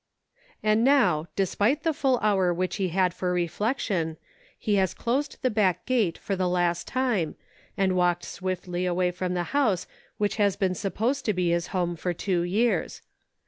And now, despite the full hour which he had for reflection, he has closed the back gate for the last time, and walked swiftly away from the house which has been supposed to be his home for two years.